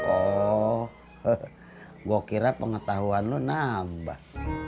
oh gue kira pengetahuan lo nambah